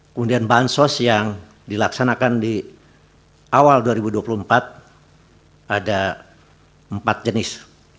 kemudian bansos yang dilaksanakan di awal dua ribu dua puluh empat ada empat jenis